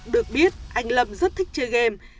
được biết anh lâm rất thích chơi game